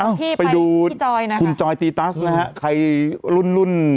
เอ่อรอพี่ไปห่อยนะคุณจอยที่ตั๊สนะฮะใครรุ่นรุ่น